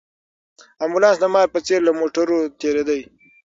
امبولانس د مار په څېر له موټرو تېرېده.